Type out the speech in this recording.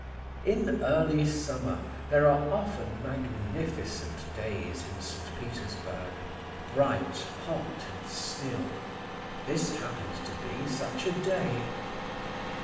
In early summer there are often magnificent days in St. Petersburg—bright, hot and still. This happened to be such a day.